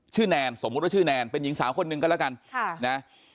ชื่อแนนสมมติว่าชื่อแนนเป็นหญิงสาวคนหนึ่งกันแล้วกัน